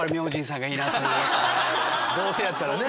どうせやったらね。